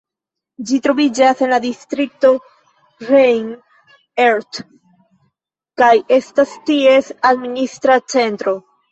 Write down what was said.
Ĝi troviĝas en la distrikto Rhein-Erft, kaj estas ties administra centro.